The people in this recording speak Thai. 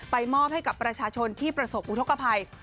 มอบให้กับประชาชนที่ประสบอุทธกภัย